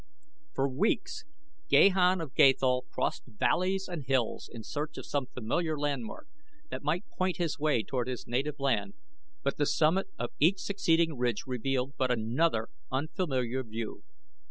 For weeks Gahan of Gathol crossed valleys and hills in search of some familiar landmark that might point his way toward his native land, but the summit of each succeeding ridge revealed but another unfamiliar view.